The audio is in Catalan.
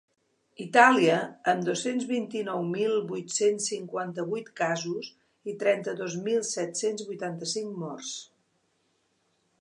Itàlia, amb dos-cents vint-i-nou mil vuit-cents cinquanta-vuit casos i trenta-dos mil set-cents vuitanta-cinc morts.